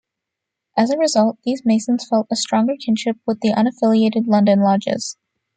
As a result, these Masons felt a stronger kinship with the unaffiliated London Lodges.